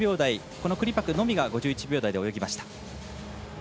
このクリパクのみが５１秒台で泳ぎました。